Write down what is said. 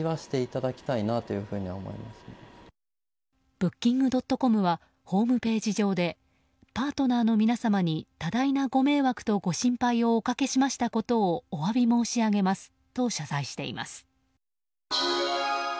ブッキングドットコムはホームページ上でパートナーの皆様に多大なご迷惑とご心配をおかけしましたことをお詫び申し上げますと謝罪しています。